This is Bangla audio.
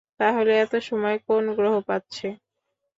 তাহলে এত সময় কোন গ্রহ পাচ্ছে?